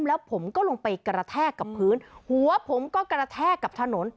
แล้วผมก็ลงไปกระแทกกับพื้นหัวผมก็กระแทกกับถนน